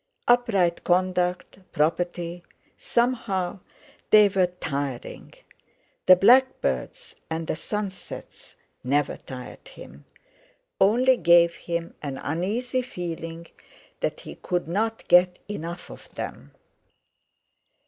Upright conduct, property—somehow, they were tiring; the blackbirds and the sunsets never tired him, only gave him an uneasy feeling that he could not get enough of them.